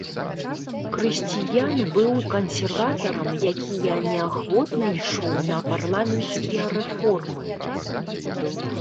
Крысціян быў кансерватарам, якія неахвотна ішоў на парламенцкія рэформы.